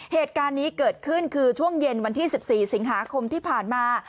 เหตุการณ์นี้เกิดขึ้นคือช่วงเย็นวันที่๑๔สิงหาคมที่ผ่านมา